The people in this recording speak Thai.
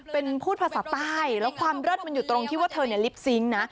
เป็นพูดภาษาใต้แล้วความเลิศมันอยู่ตรงที่ว่าเธอเนี่ยลิปซิงค์นะ